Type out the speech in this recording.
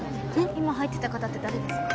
今入ってった方って誰ですか？